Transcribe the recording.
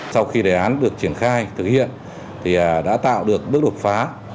sau khi đề án được triển khai thực hiện thì đã tạo được bước đột phá